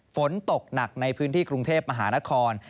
ฝนตกหนักในพื้นที่กรุงเทพมหานคร